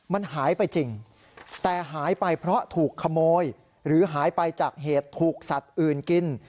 มันหายไปจริงแต่หายไปเพราะถูกขโมยหรือหายไปจากเหตุถูกสัตว์อื่นกิน